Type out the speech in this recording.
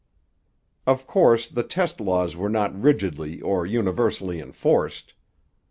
Of course, the test laws were not rigidly or universally enforced.